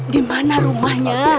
di mana rumahnya